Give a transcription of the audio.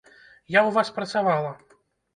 Я ў вас працавала.